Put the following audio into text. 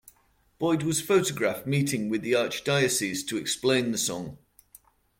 Boyd was photographed meeting with the Archdiocese to explain the song.